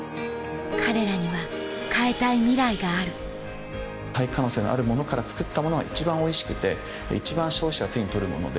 彼らには変えたいミライがある廃棄可能性があるものから作ったものが一番おいしくて一番消費者が手に取るもので。